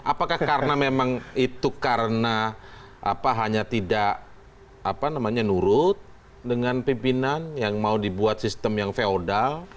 apakah karena memang itu karena hanya tidak nurut dengan pimpinan yang mau dibuat sistem yang feodal